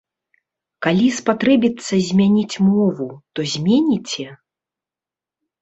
Калі спатрэбіцца змяніць мову, то зменіце?